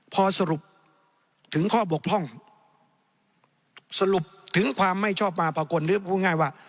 พอสรุปถึงข้อบกพร่องสรุปถึงความไม่ชอบมาภากลหรือพูดง่ายว่า